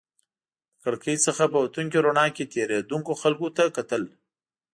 د کړکۍ څخه په وتونکې رڼا کې تېرېدونکو خلکو ته کتل.